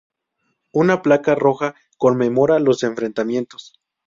Una placa roja conmemora los enfrentamientos.